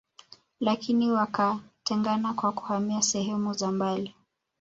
Lakini wakatengana kwa kuhamia sehemu za mbali